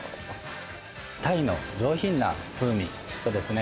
鯛の上品な風味とですね